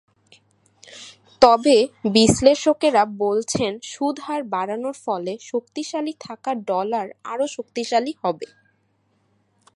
তবে বিশ্লেষকেরা বলছেন, সুদহার বাড়ানোর ফলে শক্তিশালী থাকা ডলার আরও শক্তিশালী হবে।